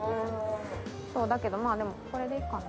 そうだけどまあでもこれでいいかな？